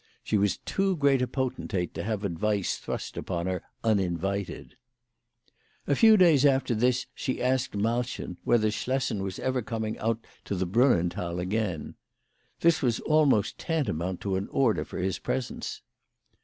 She was too great a potentate to have advice thrust upon her uninvited. A few days after this she asked Malchen whether Schlessen was ever coming out to the Brunnenthal again. This was almost tantamount to an order for his presence.